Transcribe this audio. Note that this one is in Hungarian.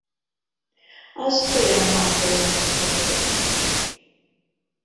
Az Ojamaa-folyó mentén fekszik.